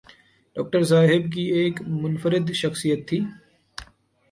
Doctor صاحب کی ایک منفرد شخصیت تھی۔